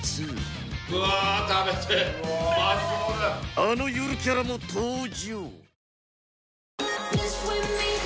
あのゆるキャラも登場